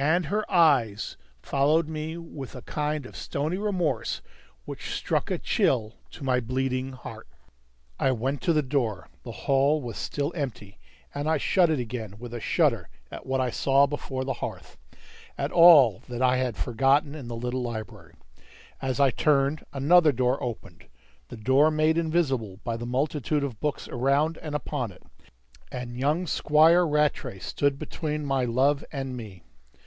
And her eyes followed me with a kind of stony remorse which struck a chill to my bleeding heart. I went to the door; the hall was still empty, and I shut it again with a shudder at what I saw before the hearth, at all that I had forgotten in the little library. As I turned, another door opened the door made invisible by the multitude of books around and upon it and young Squire Rattray stood between my love and me.